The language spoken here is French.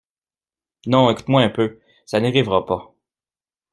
Non, écoute-moi un peu. Ça n’arrivera pas.